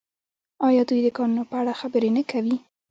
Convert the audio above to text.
آیا دوی د کانونو په اړه خبرې نه کوي؟